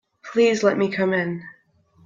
Please let me come in.